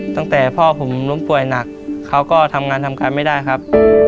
ตั้งแต่พ่อผมล้มป่วยหนักเขาก็ทำงานทำการไม่ได้ครับ